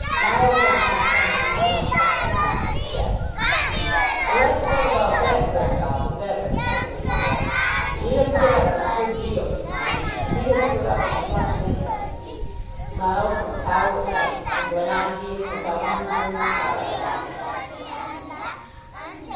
Miles had become somewhat triumphant in his success. "The less said about that, Grendall, the better," said Nidderdale. "We have put up with a good deal, you know, and he has put up with as much as anybody." Miles was cowed at once, and went on dealing without manoeuvring a card on that hand.